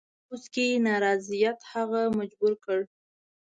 په پوځ کې نارضاییت هغه مجبور کړ.